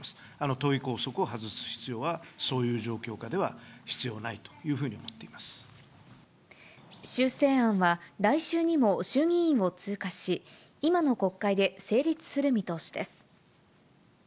党議拘束を外す必要は、そういう状況下では必要ないというふうに修正案は来週にも衆議院を通過し、今の国会で成立する見通しです。